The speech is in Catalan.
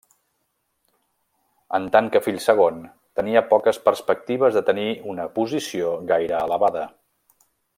En tant que fill segon, tenia poques perspectives de tenir una posició gaire elevada.